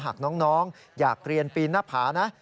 หากน้องอยากเรียนปีนหน้าผานะ